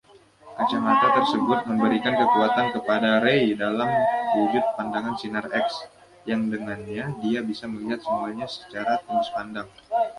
Kacamata tersebut memberikan kekuatan kepada Ray dalam wujud pandangan sinar-X, yang dengannya dia bisa melihat semuanya secara tembus pandang.